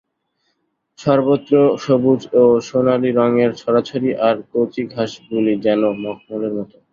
সর্বত্র সবুজ ও সোনালী রঙের ছড়াছড়ি, আর কচিঘাসগুলি যেন মখমলের মত।